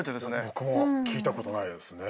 僕も聞いたことないですね。